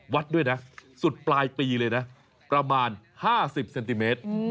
วัดด้วยนะสุดปลายปีเลยนะประมาณ๕๐เซนติเมตร